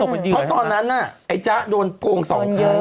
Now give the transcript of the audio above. เพราะตอนนั้นน่ะไอ้จ๊ะโดนโกง๒ครั้ง